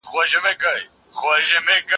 دغه ببر سري لیونیان یو څو وګړي دي